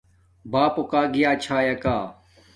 بݳپݸ کݳ گیݳئی چھݳئَکݳ؟